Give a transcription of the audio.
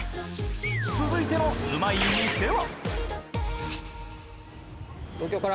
続いてのうまい店は？